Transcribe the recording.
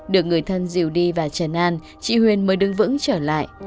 được người thân diều đi và trần an chị huyền mới đứng vững trở lại